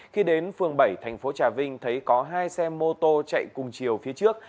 khi đến phường bảy thành phố trà vinh thấy có hai xe mô tô chạy cùng chiều phía trước